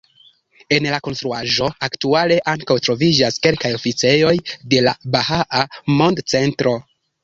En la konstruaĵo aktuale ankaŭ troviĝas kelkaj oficejoj de la "Bahaa Mond-Centro".